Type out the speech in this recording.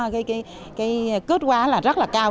cái kết quả là rất là cao